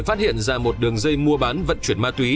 phát hiện ra một đường dây mua bán vận chuyển ma túy